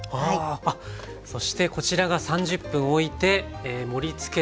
そしてこちらが３０分おいて盛りつけたものです。